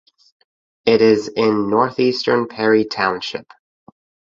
It is in northeastern Perry Township.